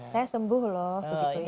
saya sembuh loh